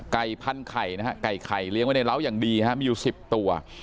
พันไข่นะฮะไก่ไข่เลี้ยงไว้ในร้าวอย่างดีฮะมีอยู่๑๐ตัว